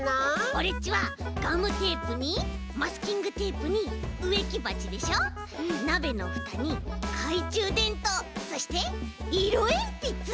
オレっちはガムテープにマスキングテープにうえきばちでしょなべのふたにかいちゅうでんとうそしていろえんぴつ！